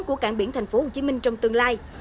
của cảng biển tp hcm trong tương lai